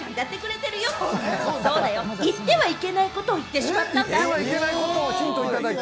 言ってはいけないことを言ってしまったんだ。